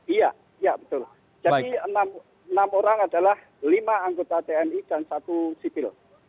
iya iya betul jadi enam orang adalah lima anggota tni dan satu sipil